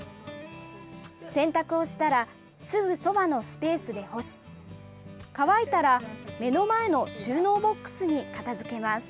洗濯をしたらすぐそばのスペースで干し乾いたら、目の前の収納ボックスに片づけます。